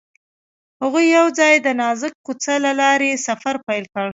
هغوی یوځای د نازک کوڅه له لارې سفر پیل کړ.